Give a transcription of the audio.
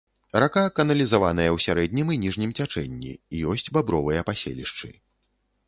Рака каналізаваная ў сярэднім і ніжнім цячэнні, ёсць бабровыя паселішчы.